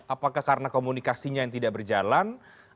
apakah karena komunikasinya yang tidak berjalan